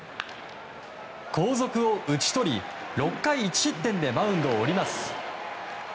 後続を打ち取り、６回１失点でマウンドを降ります。